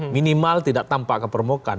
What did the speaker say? minimal tidak tampak ke permukaan